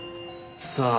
さあ。